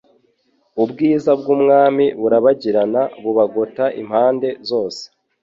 ubwiza bw'Umwami burabagirana bubagota impande zose